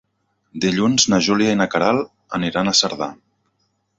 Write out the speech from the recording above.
Dilluns na Júlia i na Queralt aniran a Cerdà.